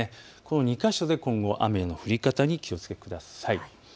２か所で雨の降り方に気をつけてください。